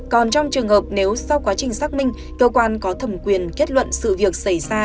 còn trong trường hợp nếu sau quá trình xác minh cơ quan có thẩm quyền kết luận sự việc xảy ra